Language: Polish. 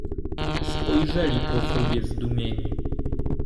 "Spojrzeli po sobie zdumieni."